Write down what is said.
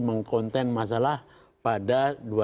mengkonten masalah pada dua ribu enam belas